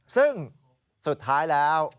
ซึ่งสุดท้ายแล้ว